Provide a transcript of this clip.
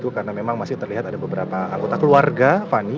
karena memang masih terlihat ada beberapa anggota keluarga fani